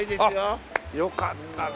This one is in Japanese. よかったね